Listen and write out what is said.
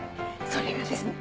それがですね